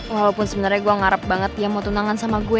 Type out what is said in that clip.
walaupun sebenarnya gue ngarep banget dia mau tuntangan sama gue